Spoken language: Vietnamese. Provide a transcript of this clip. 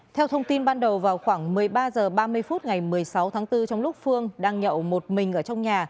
theo thông tin ban đầu vào khoảng một mươi ba h ba mươi phút ngày một mươi sáu tháng bốn trong lúc phương đang nhậu một mình ở trong nhà